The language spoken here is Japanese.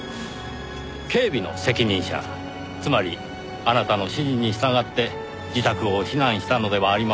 警備の責任者つまりあなたの指示に従って自宅を避難したのではありませんか？